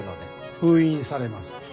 封印されます。